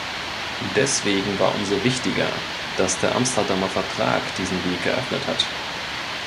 Deswegen war umso wichtiger, dass der Amsterdamer Vertrag diesen Weg eröffnet hat.